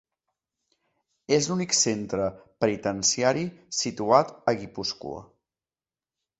És l'únic centre penitenciari situat a Guipúscoa.